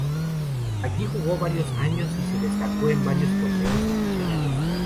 Allí, jugó varios años y se destacó en varios torneos aficionados.